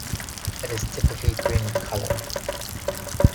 It is typically green in color.